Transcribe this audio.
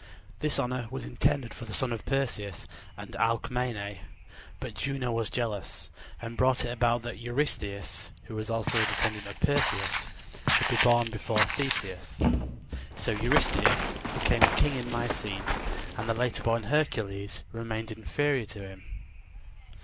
This honor was intended for the son of Perseus and Alcmene; but Juno was jealous and brought it about that Eurystheus, who was also a descendant of Perseus, should be born before Theseus. So Eurystheus became king in Mycene, and the later born Hercules remained inferior to him.